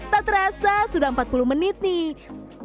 tak terasa sudah empat puluh menit nih